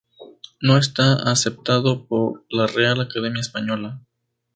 No está aceptado por la Real Academia Española.